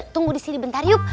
tunggu di sini bentar yuk